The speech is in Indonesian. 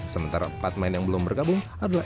sementara empat main yang belum bergabung adalah